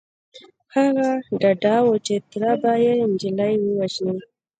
هغه ډاډه و چې تره به يې نجلۍ ووژني.